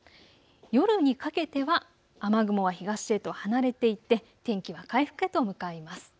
夜にかけては雨雲は東へと離れていって天気は回復へと向かいます。